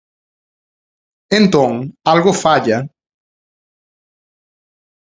Entón, algo falla.